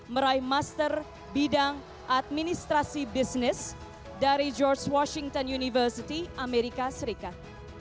meraih master bidang administrasi bisnis dari george washington university amerika serikat